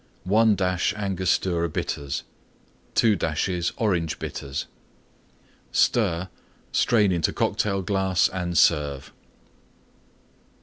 1 dash Angostura Bitters. 2 dashes Orange Bitters. Stir; strain into Cocktail glass and serve.